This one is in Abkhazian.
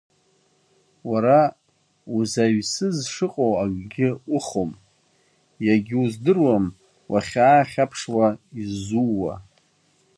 Уара узаҩсыз шыҟоу акгьы ухом, иагьуздыруам уахьаахьаԥшуа изууа.